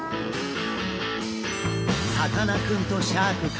さかなクンとシャーク香音さん